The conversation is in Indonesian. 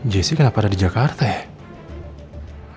jessi kenapa ada di jakarta ya